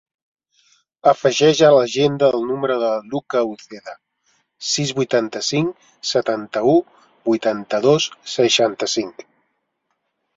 Afegeix a l'agenda el número del Lucca Uceda: sis, vuitanta-cinc, setanta-u, vuitanta-dos, seixanta-cinc.